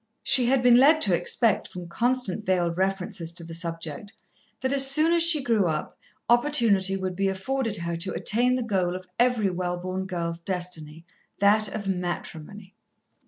She had been led to expect, from constant veiled references to the subject, that as soon as she grew up, opportunity would be afforded her to attain the goal of every well born girl's destiny that of matrimony.